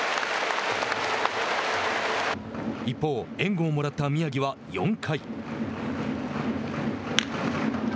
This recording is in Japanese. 一方、援護をもらった宮城は４回。